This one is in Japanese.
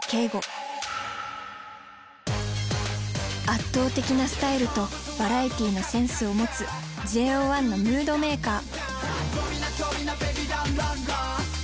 圧倒的なスタイルとバラエティーのセンスを持つＪＯ１のムードメーカー。